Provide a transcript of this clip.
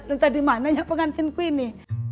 entah dimananya pengantinku ini